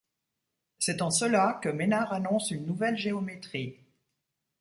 C'est en cela que Meynard annonce une nouvelle géométrie.